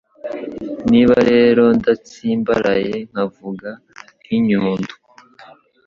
Niba rero ndatsimbaraye nkavuga nk'inyundo